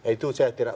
itu saya tidak